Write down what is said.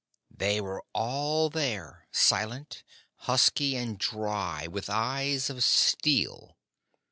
They were all there, silent, husky, and dry, with eyes of steel.